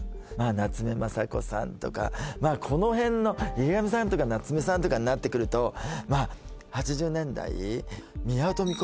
夏目雅子さんとかまあこのへんの池上さんとか夏目さんとかになってくるとまあ８０年代宮尾登美子